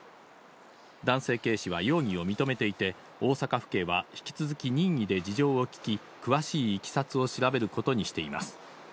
男性警視は容疑を認めていて、大阪府警は引き続き任意で事情を聞き、詳しいいきさつを調べることにしています。